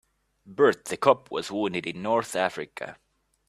Bert the cop was wounded in North Africa.